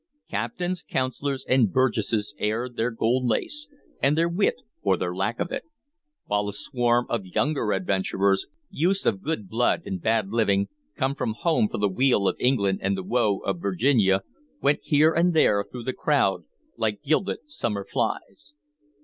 Captains, Councilors, and Burgesses aired their gold lace, and their wit or their lack of it; while a swarm of younger adventurers, youths of good blood and bad living, come from home for the weal of England and the woe of Virginia, went here and there through the crowd like gilded summer flies.